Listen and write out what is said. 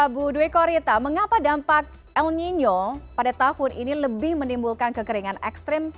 bu dwi korita mengapa dampak el nino pada tahun ini lebih menimbulkan kekeringan ekstrim